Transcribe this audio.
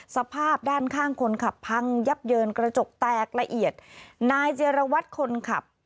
สภาพด้านข้างคนขับพังยับเยินกระจกแตกละเอียดนายเจรวัตรคนขับ